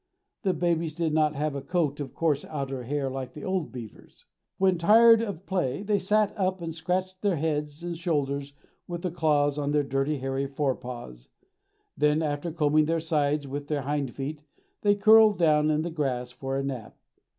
The babies did not have a coat of coarse outer hair like the old beavers. When tired of play they sat up and scratched their heads and shoulders with the claws on their hairy fore paws. Then, after combing their sides with their hind feet, they curled down in the grass for a nap.